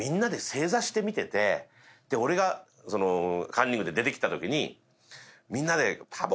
「で俺がカンニングで出てきたときにみんなで」